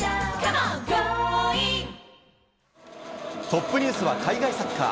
トップニュースは海外サッカー。